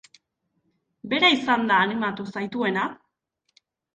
Bera izan da animatu zaituena?